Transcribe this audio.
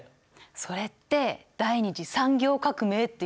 それって第２次産業革命っていうんだよ。